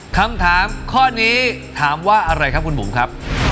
คำถามข้อนี้ถามว่าอะไรครับคุณบุ๋มครับ